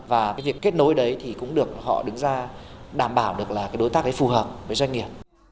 và cái việc kết nối đấy thì cũng được họ đứng ra đảm bảo được là cái đối tác đấy phù hợp với doanh nghiệp